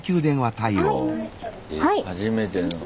初めての。